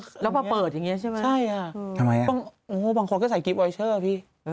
ภาคนหน้ากลัวถ้าเราไปเจอขนาดนี้ใช่ไหมบางคนก็ใส่กริ๊ปโยเชิงพี่